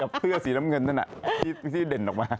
กับเพื้อสีน้ำเงินนั่นที่เด่นออกมา